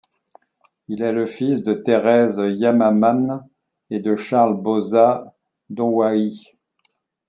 Il est le fils de Thérèse Yamaman et de Charles Bauza Donwahi.